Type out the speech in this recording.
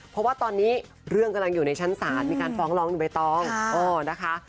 เพราะว่าตอนนี้เรื่องกำลังอยู่ในชั้นศาลมีการฟ้องร้องอยู่ใบตองนะคะ